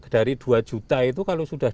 dari dua juta itu kalau sudah